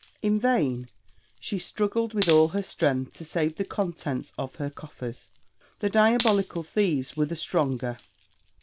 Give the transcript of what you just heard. In vain she struggled with all her strength to save the contents of her coffers; the diabolical thieves were the stronger.